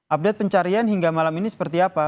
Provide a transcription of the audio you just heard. update pencarian hingga malam ini seperti apa